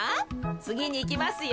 つぎにいきますよ。